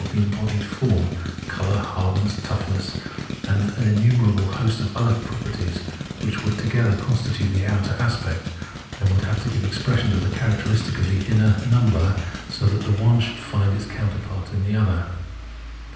The embodied form, colour, hardness, toughness, and an innumerable host of other properties, would together constitute the outer aspect, and would have to give expression to the characteristic of the inner, number, so that the one should find its counterpart in the other.